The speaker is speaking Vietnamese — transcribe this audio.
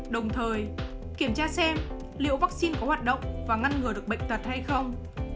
đồng thời kiểm tra xem liệu vaccine có hoạt động và ngăn ngừa được bệnh tật hay không